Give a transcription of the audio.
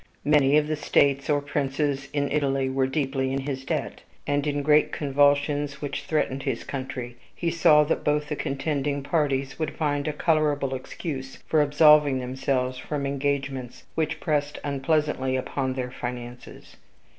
Many of the states or princes in Italy were deeply in his debt; and, in the great convulsions which threatened his country, he saw that both the contending parties would find a colorable excuse for absolving themselves from engagements which pressed unpleasantly upon their finances.